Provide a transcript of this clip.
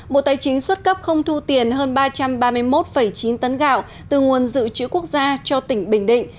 bộ tài chính xuất cấp không thu tiền hơn ba trăm ba mươi một chín tấn gạo từ nguồn dự trữ quốc gia cho tỉnh bình định